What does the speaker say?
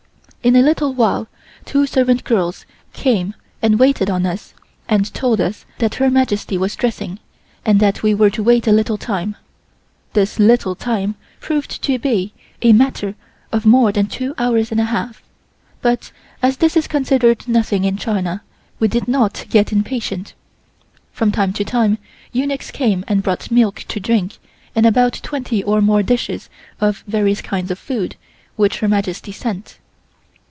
In a little while two servant girls came and waited on us and told us that Her Majesty was dressing and that we were to wait a little time. This little time proved to be a matter of more than two hours and a half, but as this is considered nothing in China, we did not get impatient. From time to time eunuchs came and brought milk to drink and about twenty or more dishes of various kinds of food which Her Majesty sent.